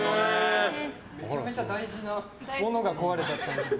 めちゃめちゃ大事なものが壊れちゃった。